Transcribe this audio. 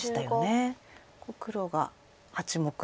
黒が８目。